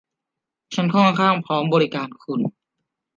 ฉันค่อนข้างพร้อมบริการคุณ